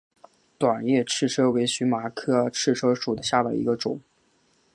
短叶赤车为荨麻科赤车属下的一个种。